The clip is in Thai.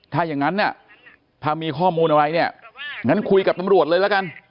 ถ้าอย่างนั้นเนี่ยถ้ามีข้อมูลอะไรเนี่ยงั้นคุยกับตำรวจเลยละกัน